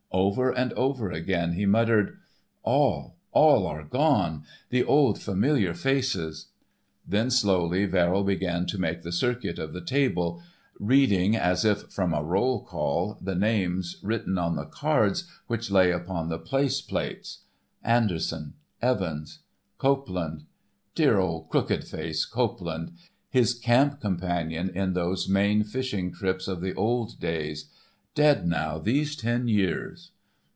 Over and over again he muttered: "All, all are gone, the old familiar faces." Then slowly Verrill began to make the circuit of the table, reading, as if from a roll call, the names written on the cards which lay upon the place plates. "Anderson, ... Evans, ... Copeland,—dear old 'crooked face' Copeland, his camp companion in those Maine fishing trips of the old days, dead now these ten years....